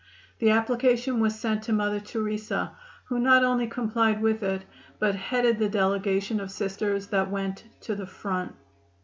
The application was sent to Mother Teresa, who not only complied with it, but headed the delegation of Sisters that went to the front.